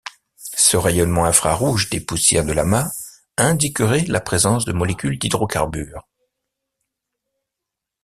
Ce rayonnement infrarouge des poussières de l'amas indiquerait la présence de molécules d'hydrocarbures.